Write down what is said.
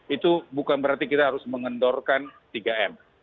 itu bukan berarti kita harus mengendorkan tiga m